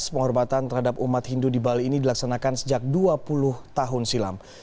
penghormatan terhadap umat hindu di bali ini dilaksanakan sejak dua puluh tahun silam